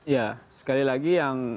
ya sekali lagi yang